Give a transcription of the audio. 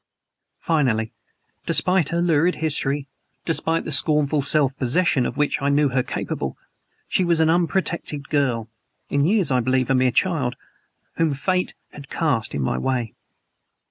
Finally, despite her lurid history, despite the scornful self possession of which I knew her capable, she was an unprotected girl in years, I believe, a mere child whom Fate had cast in my way.